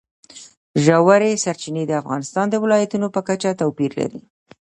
ژورې سرچینې د افغانستان د ولایاتو په کچه توپیر لري.